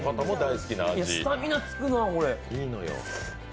スタミナつくな。